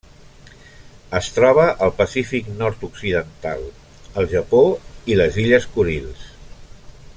Es troba al Pacífic nord-occidental: el Japó i les Illes Kurils.